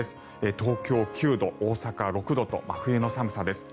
東京、９度大阪、６度と真冬の寒さです。